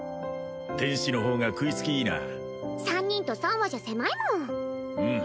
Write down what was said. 天使の方が食いつきいいな３人と３羽じゃ狭いもんうん